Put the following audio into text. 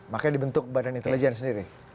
makanya dibentuk badan intelijen sendiri